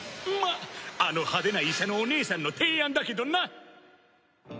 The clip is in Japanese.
まああの派手な医者のお姉さんの提案だけどな！